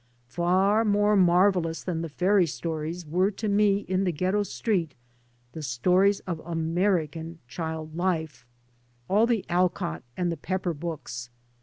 Far more marvellous than the fairy stories were to me in the ghetto street the stor ies of American child life, all the Alcott and the Pepper books.